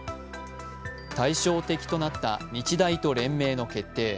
対照的となった日大と連盟の決定。